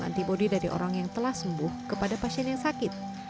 antibody dari orang yang telah sembuh kepada pasien yang sakit